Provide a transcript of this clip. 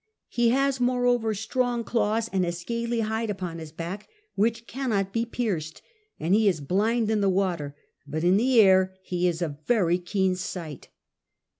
He has moreover strong claws and a scaly hide upon his back which cannot be pierced; and he is blind in the water, but in the air he is of a very keen sight.